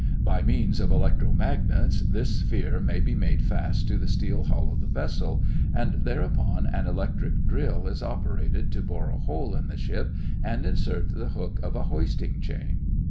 By means of electromagnets this sphere may be made fast to the steel hull of the vessel and thereupon an electric drill is operated to bore a hole in the ship and insert the hook of a hoisting chain.